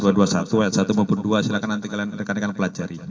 atau satu dua silahkan nanti rekan rekan pelajari